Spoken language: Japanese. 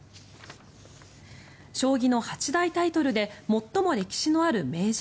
将棋の八大タイトルで最も歴史のある名人。